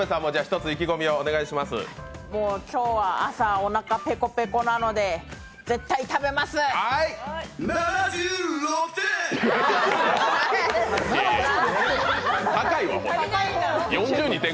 もう、今日は朝、おなかペコペコなので、７６点。